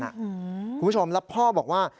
คุณผู้ชมแล้วพ่อบอกว่า